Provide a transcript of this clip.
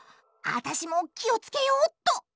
あたしも気を付けよっと！